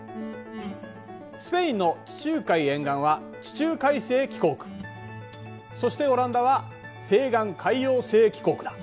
スペインの地中海沿岸は地中海性気候区そしてオランダは西岸海洋性気候区だ。